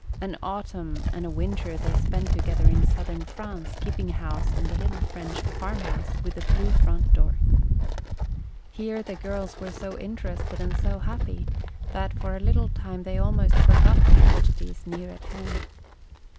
An autumn and a winter they spent together in southern France, keeping house in the little French "Farmhouse with the Blue Front Door." Here the girls were so interested and so happy that for a little time they almost forgot the tragedies near at hand.